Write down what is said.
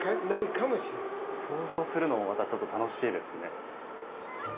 想像するのもまたちょっと楽しいですね。